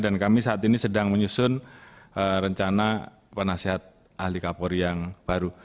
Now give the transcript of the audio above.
dan kami saat ini sedang menyusun rencana penasihat ahli kapolri yang baru